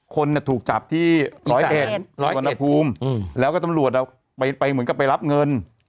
คนถูกจับที่ร้อยเอ็ดสุวรรณภูมิแล้วก็ตำรวจไปเหมือนกับไปรับเงิน